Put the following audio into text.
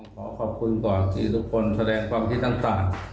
ขอขอบคุณก่อนที่ทุกคนแสดงความคิดต่าง